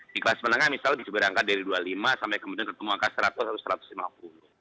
di kelas menengah misalnya berangkat dari dua puluh lima sampai kemudian ketemu angka seratus atau satu ratus lima puluh